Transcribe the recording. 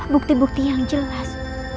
bukti bukti yang jelas